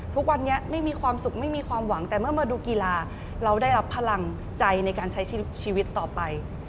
ทุกวันนี้ไม่มีความสุขไม่มีความหวังแต่เมื่อมาดูกีฬาเราได้รับพลังใจในการใช้ชีวิตต่อไป